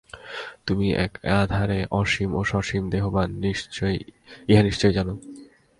তুমি একাধারে অসীম ও সসীম দেহবান্, ইহা নিশ্চয় জানিও।